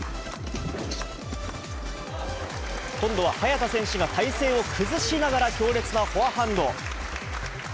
今度は早田選手が体勢を崩しながら強烈なフォアハンド。